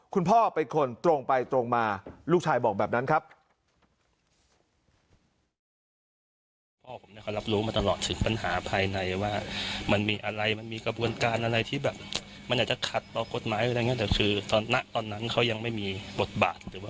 คุณพ่อเป็นคนตรงไปตรงมาลูกชายบอกแบบนั้นครับ